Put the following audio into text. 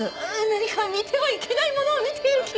何か見てはいけないものを見ている気が。